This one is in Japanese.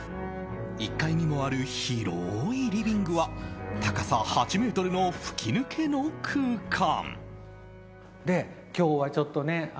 １階にもある広いリビングは高さ８ｍの吹き抜けの空間。